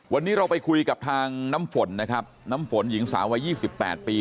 วันนี้เราไปคุยกับทางน้ำฝนนะครับน้ำฝนหญิงสาววัย๒๘ปี